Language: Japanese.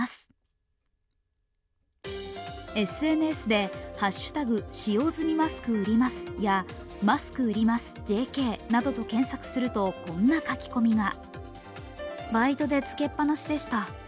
ＳＮＳで「＃使用済みマスク売ります」や、「マスク売りますＪＫ」などと検索すると、こんな書き込みが。